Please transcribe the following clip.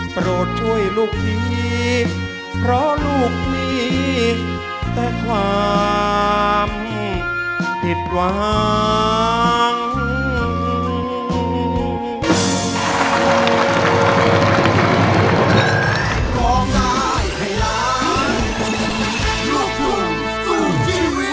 โปรดช่วยลูกทีเพราะลูกมีแต่ความผิดหวัง